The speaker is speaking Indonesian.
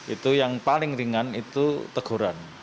itu yang paling ringan itu teguran